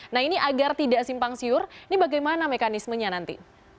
nah ini agar tidak simpang siur ini bagaimana mekanismenya nanti